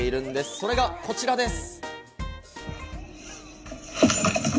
それがこちらです。